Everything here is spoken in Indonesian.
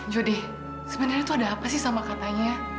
judi sebenarnya itu ada apa sih sama katanya